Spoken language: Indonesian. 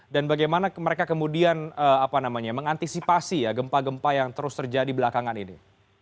dan bagaimana mereka kemudian mengantisipasi gempa gempa yang terus terjadi belakangan ini